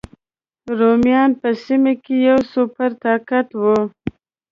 رومیان په سیمه کې یو سوپر طاقت و.